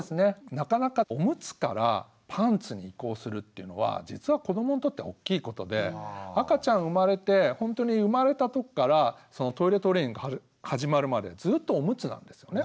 なかなかオムツからパンツに移行するっていうのは実は子どもにとってはおっきいことで赤ちゃん生まれてほんとに生まれた時からトイレトレーニング始まるまでずっとオムツなんですよね。